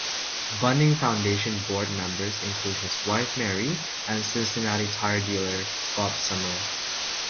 Bunning Foundation board members include his wife Mary, and Cincinnati tire dealer Bob Sumerel.